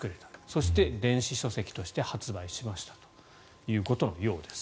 そして、電子書籍として発売しましたということのようです。